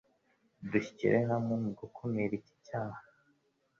dusyire hamwe mu gukumira iki cyaha